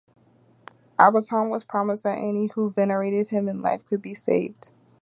Abbaton was promised that any who venerated him in life could be saved.